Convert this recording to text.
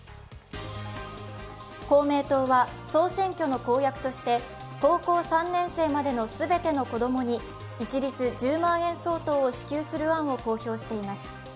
公明党は総選挙の公約として高校３年生までの全ての子供に一律１０万円相当を支給する案を公表しています。